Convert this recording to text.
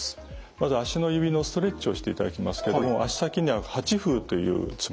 まず足の指のストレッチをしていただきますけども足先には八風というツボがありますね。